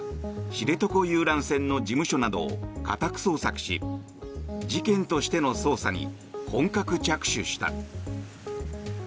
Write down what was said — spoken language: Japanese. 知床遊覧船の事務所などを家宅捜索し、事件としての捜査に本格着手した。